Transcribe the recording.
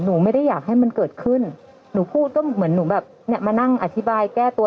หนูไม่ได้อยากให้มันเกิดขึ้นหนูพูดก็เหมือนหนูแบบเนี่ยมานั่งอธิบายแก้ตัว